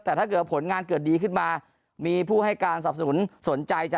แต่ถ้าเกิดผลงานเกิดดีขึ้นมามีผู้ให้การสับสนุนสนใจจะ